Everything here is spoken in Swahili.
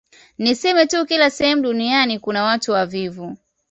Niseme tu kila sehemu duniani kuna watu wavivu